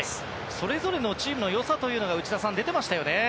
それぞれのチームの良さが出ていましたね。